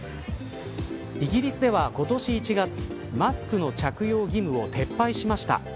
イギリスでは今年１月マスクの着用義務を撤廃しました。